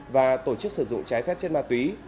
và tổ chức sử dụng trái phép chất ma túy